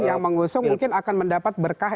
yang mengusung mungkin akan mendapat berkah